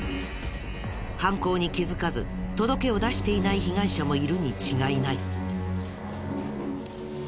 犯行に気づかず届けを出していない被害者もいるに違いない。